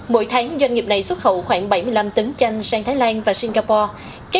mỗi tháng doanh nghiệp này xuất khẩu khoảng bảy mươi năm tấn chanh sang thái lan và singapore